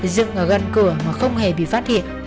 dựng ở gần cửa mà không hề bị phát hiện